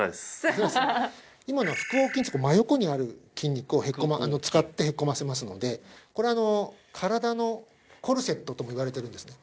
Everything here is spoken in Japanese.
今のは腹横筋っていう真横にある筋肉を使ってへこませますのでこれは「身体のコルセット」ともいわれてるんですね